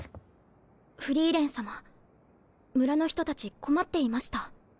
フリーレン様村の人たち困っていました。